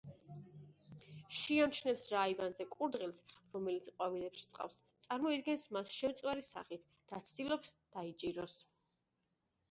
შეამჩნევს რა აივანზე კურდღელს, რომელიც ყვავილებს რწყავს, წარმოიდგენს მას შემწვარი სახით და ცდილობს, დაიჭიროს.